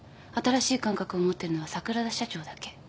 新しい感覚を持ってるのは桜田社長だけ。